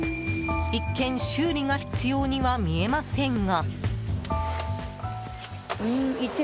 一見、修理が必要には見えませんが。